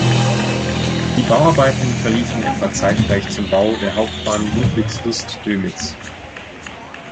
Die Bauarbeiten verliefen etwa zeitgleich zum Bau der Hauptbahn Ludwigslust–Dömitz.